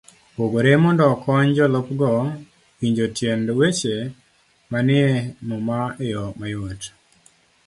opogore mondo okony jolupgo winjo tiend weche manie Muma e yo mayot.